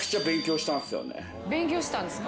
勉強したんですか？